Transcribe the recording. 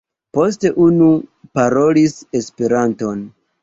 Poste unu parolis Esperanton.